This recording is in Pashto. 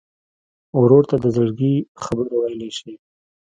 ورور ته د زړګي خبره ویلی شې.